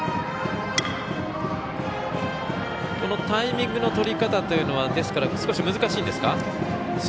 タイミングのとり方というのは少し難しいんですか？